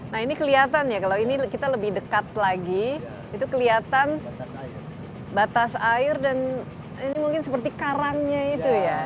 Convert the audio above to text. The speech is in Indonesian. nah ini kelihatan ya kalau ini kita lebih dekat lagi itu kelihatan batas air dan ini mungkin seperti karangnya itu ya